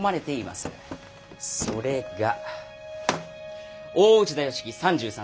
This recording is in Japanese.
それが大内田佳基３３歳。